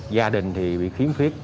gia đình thì bị khiếm phiết